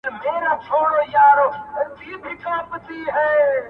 • دا ده کوچي ځوانيمرگې نجلۍ تول دی.